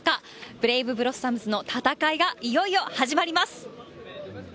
ブレイブブロッサムズの戦いがいよいよ始まります。